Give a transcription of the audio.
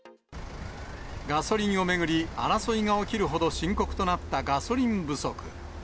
ガソリンを巡り、争いが起きるほど深刻となったガソリン不足。